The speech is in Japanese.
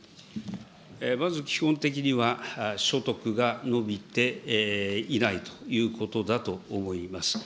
まず基本的には、所得が伸びていないということだと思います。